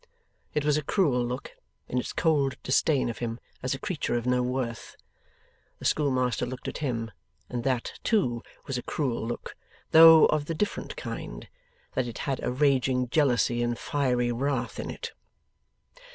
It was a cruel look, in its cold disdain of him, as a creature of no worth. The schoolmaster looked at him, and that, too, was a cruel look, though of the different kind, that it had a raging jealousy and fiery wrath in it.